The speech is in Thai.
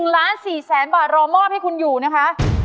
๑ล้าน๔แสนบาทรอมอบให้คุณอยู่นะคะ